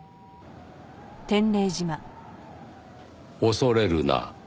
「恐れるな」。